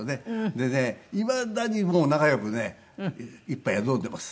でねいまだにもう仲良くねいっぱい飲んでます。